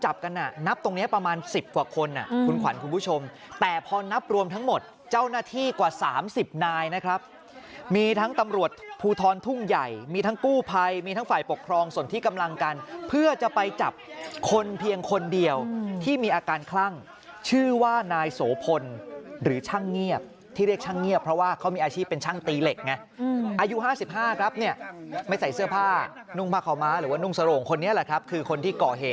จับกันนับตรงนี้ประมาณ๑๐กว่าคนคุณขวัญคุณผู้ชมแต่พอนับรวมทั้งหมดเจ้าหน้าที่กว่า๓๐นายนะครับมีทั้งตำรวจภูทรทุ่งใหญ่มีทั้งกู้ภัยมีทั้งฝ่ายปกครองส่วนที่กำลังกันเพื่อจะไปจับคนเพียงคนเดียวที่มีอาการคลั่งชื่อว่านายโสพลหรือช่างเงียบที่เรียกช่างเงียบเพราะว่าเขามีอาชีพเป็นช่างตี